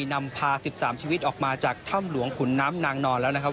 นำพา๑๓ชีวิตออกมาจากถ้ำหลวงขุนน้ำนางนอนแล้วนะครับ